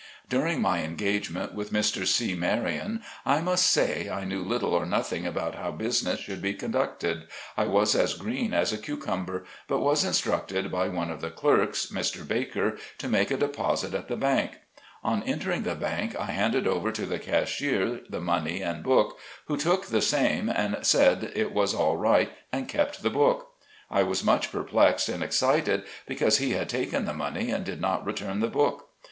During my engagement with Mr. C. Marian, I 36 SLAVE CABIN TO PULPIT. must say, I knew little or nothing about how busi ness should be conducted, I was as green as a cucum ber, but was instructed by one of the clerks, Mr. Baker, to make a deposit at the bank. On entering the bank I handed over to the Cashier the money and book, who took the same, and said that it was all right, and kept the book. I was much perplexed and excited because he had taken the money and did not return the book.